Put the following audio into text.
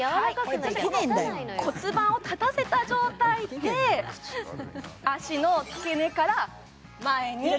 骨盤を立たせた状態で脚の付け根から前にい